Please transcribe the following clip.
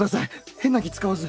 変な気使わず。